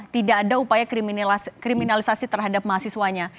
tidak ada upaya kriminalisasi terhadap mahasiswanya